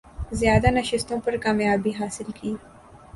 زیادہ نشستوں پر کامیابی حاصل کی